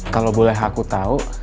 kalo boleh aku tau